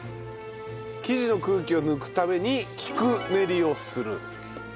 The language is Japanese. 生地の空気を抜くために菊練りをする。